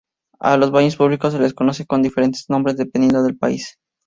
A los baños públicos se les conoce con diferentes nombres dependiendo del país.